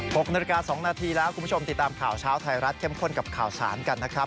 ๖นาฬิกา๒นาทีแล้วคุณผู้ชมติดตามข่าวเช้าไทยรัฐเข้มข้นกับข่าวสารกันนะครับ